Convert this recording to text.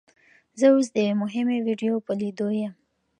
زه اوس د یوې مهمې ویډیو په لیدو یم.